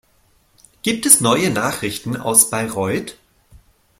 Gibt es neue Nachrichten aus Bayreuth?